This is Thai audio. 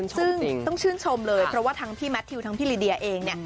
ซึ่งต้องชื่นชมเลยเพราะว่าทั้งพี่แมททิวทั้งพี่ลิเดียเองเนี่ย